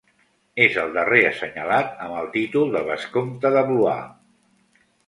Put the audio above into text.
És el darrer assenyalat amb el títol de vescomte de Blois.